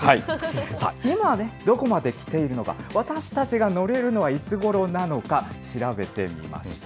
今、どこまできているのか、私たちが乗れるのはいつごろなのか、調べてみました。